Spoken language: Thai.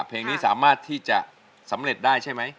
เพลงนี้สามารถที่จะสำเร็จได้ใช่ไหม